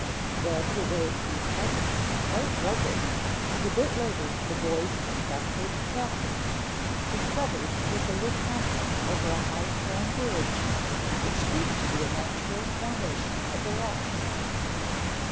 Then the way grew suddenly quite rugged and a bit later the boys and their captured captors discovered that they were tramping over a high stone bridge which seemed to be a natural formation of the rocks.